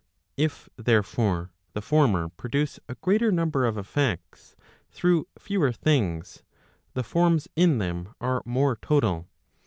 * If therefore, the former produce a greater number of effects, through fewer things, the forms in them are more total.